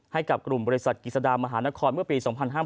ให้กับกลุ่มบริษัทกิจสดามหานครเมื่อปี๒๕๕๙